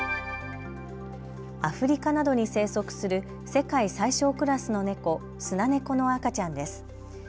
アフリカなどに生息する世界最小クラスのネコ、スナネコの赤ちゃんです。